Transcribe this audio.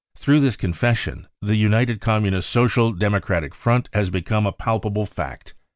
Through this confession the united Com munist Social Democratic front has become a palpable fact.